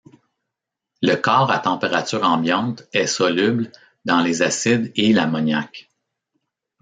Le corps à température ambiante est soluble dans les acides et l'ammoniaque.